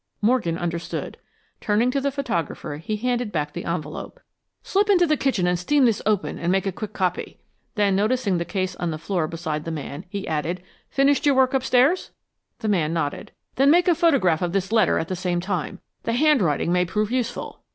Morgan understood. Turning to the photographer, he handed back the envelope. "Slip into the kitchen, steam this open and make a quick copy." Then, noticing the case on the floor beside the man, he added, "Finished your work upstairs?" The man nodded. "Then make a photograph of this letter at the same time. The handwriting may prove useful."